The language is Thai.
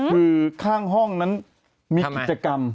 คือข้างห้องนั้นมีกิจกรรม